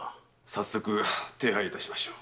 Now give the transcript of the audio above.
早速手配をいたしましょう。